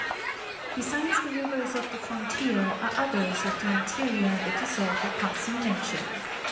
Besides the rivers of the frontier are others of the interior that deserve a passing mention.